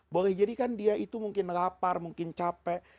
boleh jadi kan dia itu mungkin lapar mungkin capek